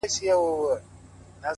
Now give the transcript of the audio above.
• هره مور ده پرهارونه د ناصورو,